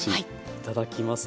いただきます！